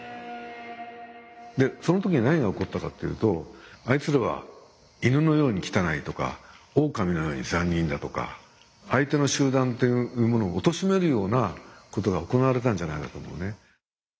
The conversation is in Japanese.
でその時に何が起こったかっていうとあいつらはイヌのように汚いとかオオカミのように残忍だとか相手の集団というものをおとしめるようなことが行われたんじゃないかと思うね。